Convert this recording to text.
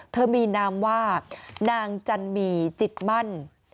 เธอมีนามว่านางจันมีจิตมั่น